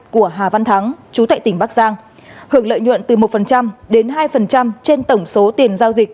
của hà văn thắng chú tại tỉnh bắc giang hưởng lợi nhuận từ một đến hai trên tổng số tiền giao dịch